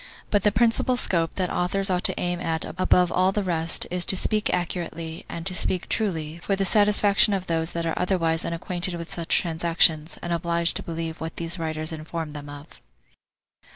But the principal scope that authors ought to aim at above all the rest, is to speak accurately, and to speak truly, for the satisfaction of those that are otherwise unacquainted with such transactions, and obliged to believe what these writers inform them of.